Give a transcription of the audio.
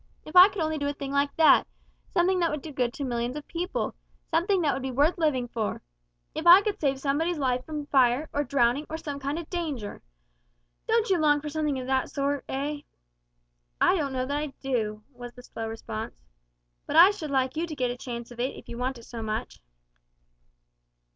If I could only do a thing like that, something that would do good to millions of people; something that would be worth living for! If I could save somebody's life from fire, or drowning, or some kind of danger! Don't you long for something of that sort, eh?" "I don't know that I do," was the slow response; "but I should like you to get a chance of it if you want it so much."